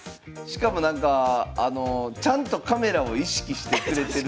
しかもなんかちゃんとカメラを意識してくれてるし。